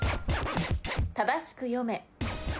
正しく読め。